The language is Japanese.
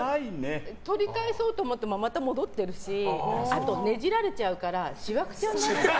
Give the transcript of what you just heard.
取り返そうと思ってもまた戻ってるしあと、ねじられちゃうからしわくちゃになっちゃう。